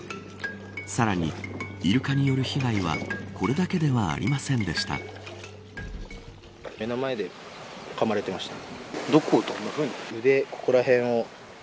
さらにイルカによる被害はこれだけではありませんでした。